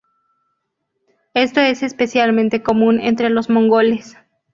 Esto es especialmente común entre los mongoles.